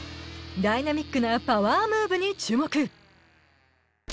ダイナミックなパワームーブに注目。